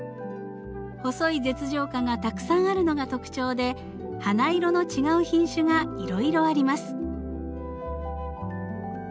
細い舌状花がたくさんあるのが特徴で花色の違う品種がいろいろあります。